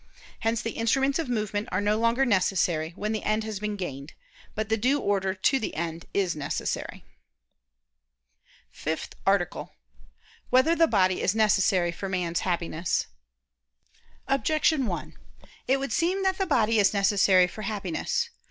Hence the instruments of movement are no longer necessary when the end has been gained: but the due order to the end is necessary. ________________________ FIFTH ARTICLE [I II, Q. 4, Art. 5] Whether the Body Is Necessary for Man's Happiness? Objection 1: It would seem that the body is necessary for Happiness.